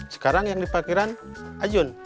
sekarang yang dipakiran ajun